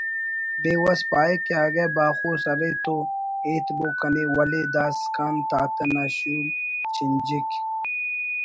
بے وس پاہک اگہ باخوس ارے تو ایتبو کنے ولے داسکان تاتہ نا شوم چنجک